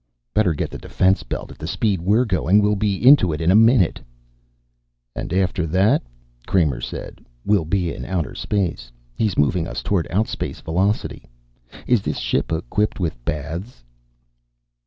"Better get the defense belt, at the speed we're going. We'll be into it in a minute." "And after that," Kramer said, "we'll be in outer space. He's moving us toward outspace velocity. Is this ship equipped with baths?"